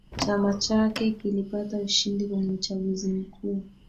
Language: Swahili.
Chama chake kilipata ushindi kwenye uchaguzi mkuu